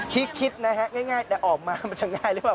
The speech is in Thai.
คิดนะฮะง่ายแต่ออกมามันจะง่ายหรือเปล่า